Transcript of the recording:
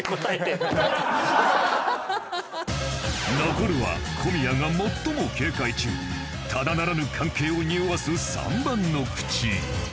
残るは小宮が最も警戒中ただならぬ関係をにおわす３番のクチ